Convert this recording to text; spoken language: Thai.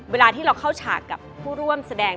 เวลาที่เราเข้าฉากกับผู้ร่วมแสดง